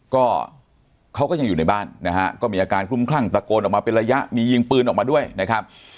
ก็เขาก็ยังอยู่ในบ้านนะฮะก็มีอาการคลุมคลั่งตะโกนออกมาเป็นระยะมียิงปืนออกมาด้วยนะครับ